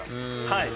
はい。